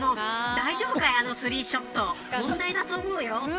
大丈夫か、あのスリーショット問題だと思うよ。